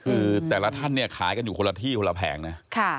คือแต่ละท่านเนี่ยขายกันอยู่คนละที่คนละแผงนะ